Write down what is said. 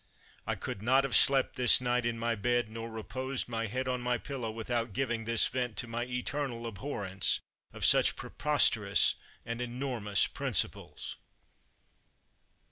I could not have slept this night in my bed, nor reposed my head on my pillow, without giving this vent to my eternal abhorrence of such pre posterous and enormous principles.